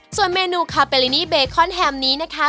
ส่วนเมนูคาเปลินีเบคอนแฮมนี้นะคะ